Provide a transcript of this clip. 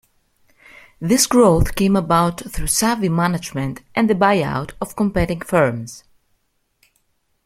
This growth came about through savvy management and the buyout of competing firms.